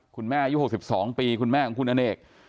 อายุ๖๒ปีคุณแม่ของคุณอเนก